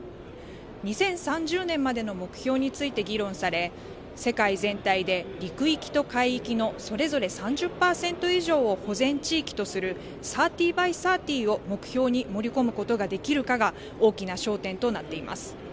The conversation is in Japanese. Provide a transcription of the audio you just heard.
２０３０年までの目標について議論され、世界全体で陸域と海域のそれぞれ３０％以上を保全地域とする３０ｂｙ３０を目標に盛り込むことができるかが大きな焦点となっています。